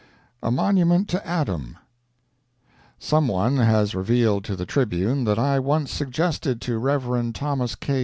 A MONUMENT TO ADAM Some one has revealed to the _Tribune _that I once suggested to Rev. Thomas K.